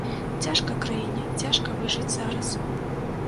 Цяжка краіне, цяжка выжыць зараз.